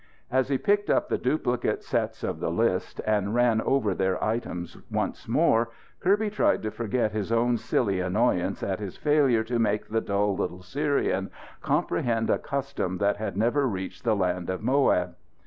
As he picked up the duplicate sets of the list and ran over their items once more, Kirby tried to forget his own silly annoyance at his failure to make the dull little Syrian comprehend a custom that had never reached the Land of Moab.